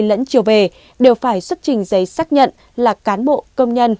lẫn chiều về đều phải xuất trình giấy xác nhận là cán bộ công nhân